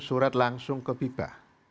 surat langsung ke viva